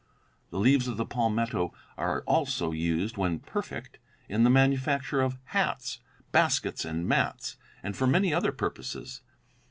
The leaves of the palmetto are also used, when perfect, in the manufacture of hats, baskets and mats, and for many other purposes.